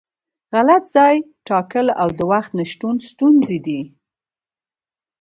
غلط ځای ټاکل او د وخت نشتون ستونزې دي.